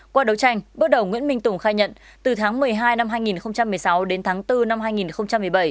qua đấu tranh bước đầu nguyễn minh tùng khai nhận từ tháng một mươi hai năm hai nghìn một mươi sáu đến tháng bốn năm hai nghìn một mươi bảy